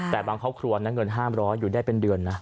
แต่บางครอบครัวเงินห้ามร้อยอยู่ได้เป็นเดือนนะ